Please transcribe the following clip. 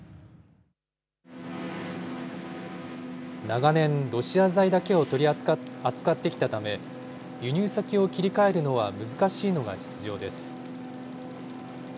長年、ロシア材だけを扱ってきたため、輸入先を切り替えるのは難しいのが実情です。